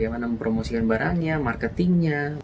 bagaimana mempromosikan marketing